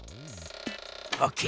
オッケー！